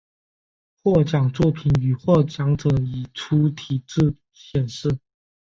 获奖作品与获奖者以粗体字显示。